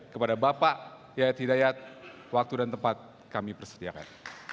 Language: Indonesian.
kepada bapak yayat hidayat waktu dan tempat kami persediakan